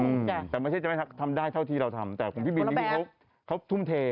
จ้ะแต่ไม่ใช่จะไม่ทำได้เท่าที่เราทำแต่ของพี่บินนี่เขาเขาทุ่มเท